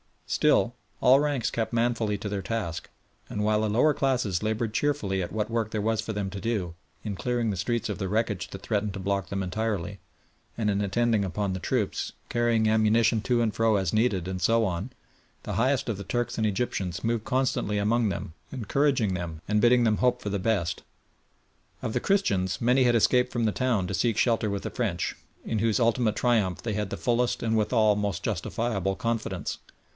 Still, all ranks kept manfully to their task, and while the lower classes laboured cheerfully at what work there was for them to do, in clearing the streets of the wreckage that threatened to block them entirely, and in attending upon the troops, carrying ammunition to and fro as needed, and so on, the highest of the Turks and Egyptians moved constantly among them, encouraging them and bidding them hope for the best. Of the Christians many had escaped from the town to seek shelter with the French, in whose ultimate triumph they had the fullest and withal most justifiable confidence.